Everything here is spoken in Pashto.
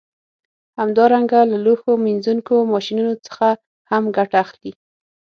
همدارنګه له لوښو مینځونکو ماشینونو څخه هم ګټه اخلي